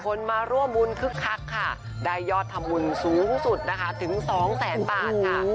คนมาร่วมมุลคึกคักค่ะได้ยอดธรรมุลสูงสุดนะคะถึง๒แสนบาทค่ะ